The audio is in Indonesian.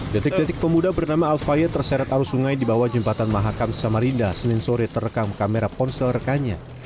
detik detik pemuda bernama alfaye terseret arus sungai di bawah jembatan mahakam samarinda senin sore terekam kamera ponsel rekannya